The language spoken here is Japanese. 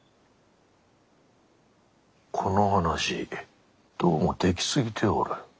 この話どうも出来過ぎておる。